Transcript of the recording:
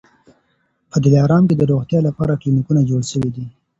په دلارام کي د روغتیا لپاره کلینیکونه جوړ سوي دي